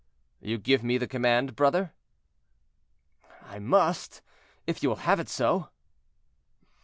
"You give me the command, brother?" "I must, if you will have it so."